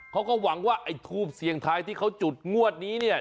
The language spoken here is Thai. เขาก็หวังว่าไอ้ทูบเสียงทายที่เขาจุดงวดนี้เนี่ย